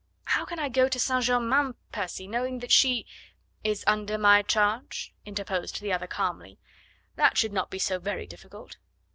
"How can I go to St. Germain, Percy, knowing that she " "Is under my charge?" interposed the other calmly. "That should not be so very difficult.